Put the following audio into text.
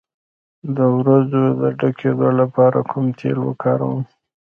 د وروځو د ډکیدو لپاره کوم تېل وکاروم؟